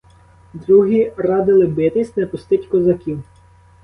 Другі радили битись, не пустить козаків.